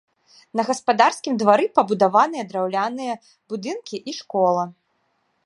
На гаспадарскім двары пабудаваныя драўляныя будынкі і школа.